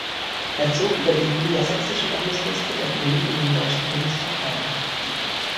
Er zog über die niedersächsische Landesliste der Grünen in den Deutschen Bundestag ein.